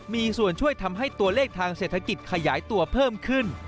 มีส่วนช่วยทำให้ตัวเลขทางเศรษฐกิจขยายตัวเพิ่มขึ้น